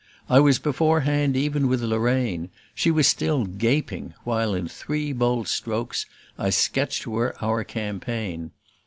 I was beforehand even with Lorraine; she was still gaping while, in three bold strokes, I sketched to her our campaign.